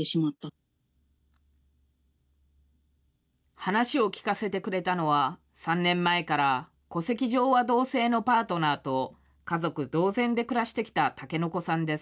話を聞かせてくれたのは、３年前から、戸籍上は同性のパートナーと家族同然で暮らしてきた竹乃娘さんです。